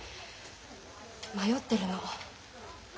迷ってるの。